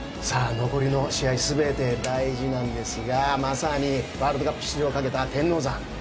さあ、残りの試合全て大事なんですがまさに、ワールドカップ出場をかけた天王山。